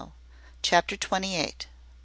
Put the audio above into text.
CHAPTER TWENTY EIGHT.